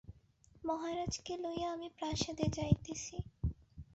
মহারাজকে লইয়া আমি প্রাসাদে যাইতেছি।